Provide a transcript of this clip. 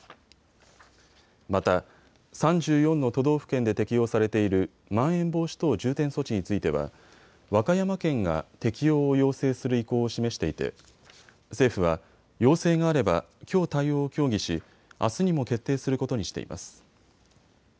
また、３４の都道府県で適用されているまん延防止等重点措置については和歌山県が適用を要請する意向を示していて政府は、要請があればきょう対応を協議し、あすにも決定することにしています。